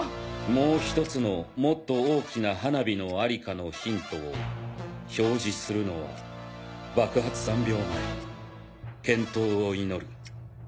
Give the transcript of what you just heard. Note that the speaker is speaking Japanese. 「もう１つのもっと大きな花火の在りかのヒントを表示するのは爆発３秒前健闘を祈る」。